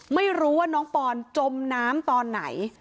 ไม่รู้ว่าน้องปอนจมน้ำตอนไหน